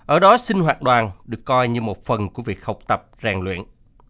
ở đó sinh hoạt đoàn được coi như một phần của việc học tập rèn luyện